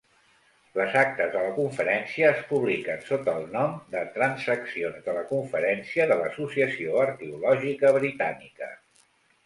Les actes de la conferència es publiquen sota el nom de "Transaccions de la conferència de l'Associació Arqueològica Britànica".